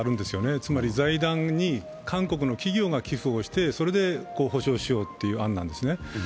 つまり財団に韓国の企業が寄付をしてそれで補償しようという案なんですね。